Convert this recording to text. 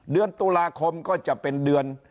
เดือนตุลาคมก็จะเป็นเดือน